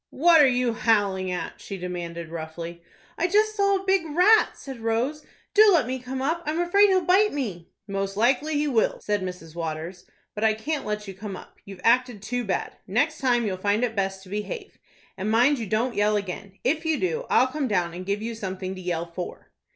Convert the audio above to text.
"What are you howling at?" she demanded, roughly. "I just saw a big rat," said Rose. "Do let me come up; I'm afraid he'll bite me." "Most likely he will," said Mrs. Waters. "But I can't let you come up. You've acted too bad. Next time you'll find it best to behave. And, mind you don't yell again! If you do, I'll come down and give you something to yell for."